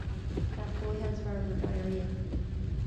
That boy has verbal diarrhoea.